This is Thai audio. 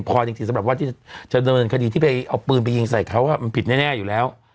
พอจริงสำหรับว่าที่จะเดินคดีที่ไปเอาปืนไปยิงใส่เขามันผิดแน่อยู่แล้ว